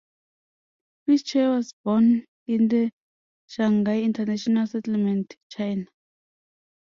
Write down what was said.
Fischer was born in the Shanghai International Settlement, China.